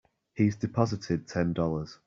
He's deposited Ten Dollars.